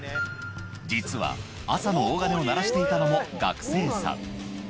実は朝の大鐘を鳴らしていたのも学生さん。